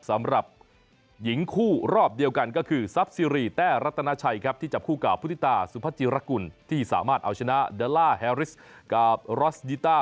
สำหรับหญิงคู่รอบเดียวกันก็คือซับซิรีแต่รัตนาชัย